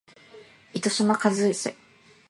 妹島和世